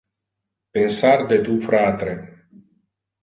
Pensar de tu fratre.